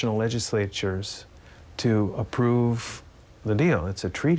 นั่นหมายถึงไม่มีพูดถึงใครจะต่อไป